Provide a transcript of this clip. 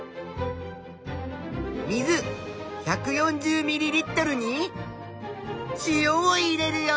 水１４０ミリリットルに塩を入れるよ！